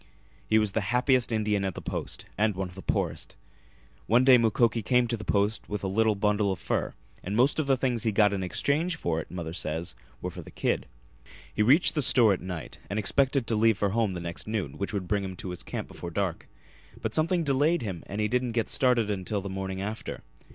He was the happiest Indian at the Post, and one of the poorest. One day Mukoki came to the Post with a little bundle of fur, and most of the things he got in exchange for it, mother says, were for the kid. He reached the store at night and expected to leave for home the next noon, which would bring him to his camp before dark. But something delayed him and he didn't get started until the morning after.